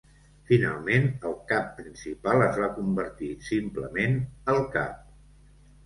Finalment, el cap principal es va convertir, simplement, el cap.